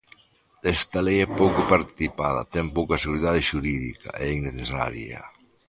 Esta lei é pouco participada, ten pouca seguridade xurídica, é innecesaria.